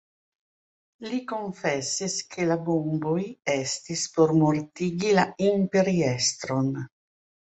Li konfesis, ke la bomboj estis por mortigi la imperiestron.